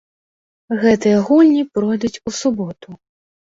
Гэтыя гульні пройдуць у суботу.